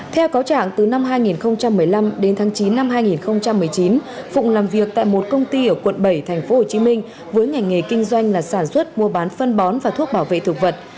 theo cáo trạng từ năm hai nghìn một mươi năm đến tháng chín năm hai nghìn một mươi chín phụng làm việc tại một công ty ở quận bảy tp hcm với ngành nghề kinh doanh là sản xuất mua bán phân bón và thuốc bảo vệ thực vật